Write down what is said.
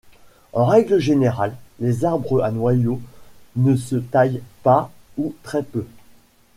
En règle générale les arbres à noyaux ne se taillent pas ou très peu.